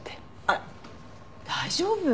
あら大丈夫？